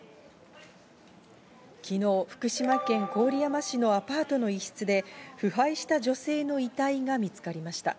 昨日、福島県郡山市のアパートの一室で腐敗した女性の遺体が見つかりました。